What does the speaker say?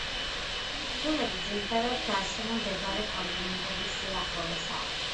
კუნძულები ძირითადად გარშემო მდებარე კონტინენტების სიახლოვესაა.